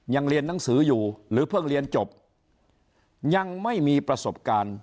ยังเรียนหนังสืออยู่หรือเพิ่งเรียนจบยังไม่มีประสบการณ์